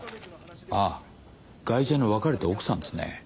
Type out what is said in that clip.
あぁガイシャの別れた奥さんですね。